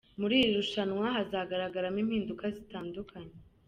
Muri iri rushanwa hazagaragaramo impinduka zitandukanye.